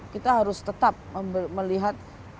kita harus tetap melihat